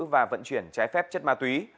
và vận chuyển trái phép chất ma túy